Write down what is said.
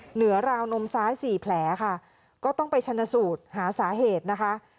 เหนือราวนมซ้ายสี่แผลค่ะก็ต้องไปชนสูตรหาสาเหตุนะคะ